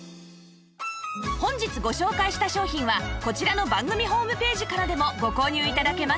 本日ご紹介した商品はこちらの番組ホームページからでもご購入頂けます